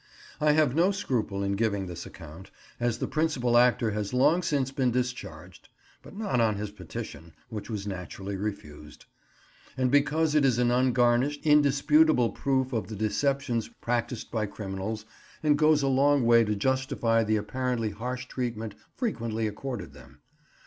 I have no scruple in giving this account, as the principal actor has long since been discharged (but not on his petition, which was naturally refused), and because it is an ungarnished, indisputable proof of the deceptions practised by criminals, and goes a long way to justify the apparently harsh treatment frequently accorded them.